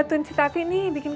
ya udah saya masuk pagi ya